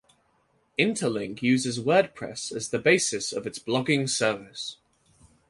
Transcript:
Intelink uses WordPress as the basis of its blogging service.